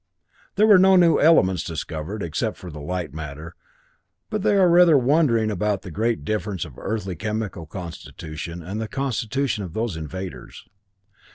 There were no new elements discovered, except the light matter, but they are rather wondering about the great difference of earthly chemical constitution and the constitution of these invaders.